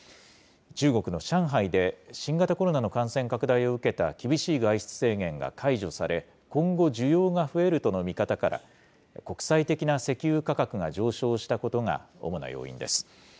中国の上海で、新型コロナの感染拡大を受けた厳しい外出制限が解除され、今後、需要が増えるとの見方から、国際的な石油価格が上昇したことが主な要因です。